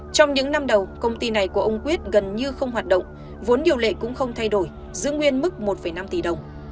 trong những năm đầu công ty này của ông quyết gần như không hoạt động vốn điều lệ cũng không thay đổi giữ nguyên mức một năm tỷ đồng